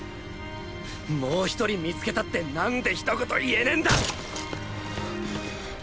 「もう１人見つけた」って何で一言言えねんだ！